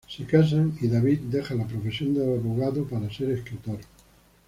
Se casan, y David deja la profesión de abogado para ser escritor.